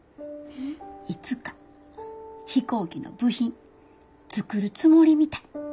いつか飛行機の部品作るつもりみたい。